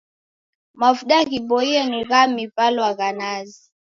Mavuda ghiboie ni gha miw'alwa sa gha nazi.